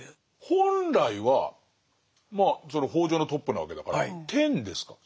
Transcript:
本来はまあ北条のトップなわけだから天ですか？